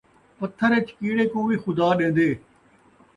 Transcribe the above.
پتھر ءِچ کیڑے کوں وی خدا ݙیندے